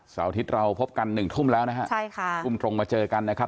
อาทิตย์เราพบกันหนึ่งทุ่มแล้วนะฮะใช่ค่ะทุ่มตรงมาเจอกันนะครับ